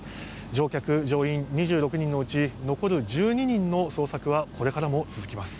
乗客・乗員２６人のうち残る１２人の捜索はこれからも続きます。